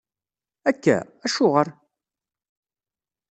Akka? Acuɣer?